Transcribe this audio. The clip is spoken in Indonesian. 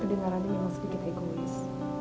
kedengerannya memang sedikit egois